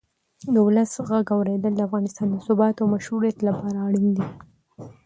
د ولس غږ اورېدل د افغانستان د ثبات او مشروعیت لپاره اړین دی